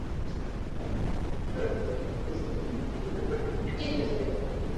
wameongeza juhudi zaidi katika mazungumzo ya kuachiliwa huru kwa raia wawili wa uingereza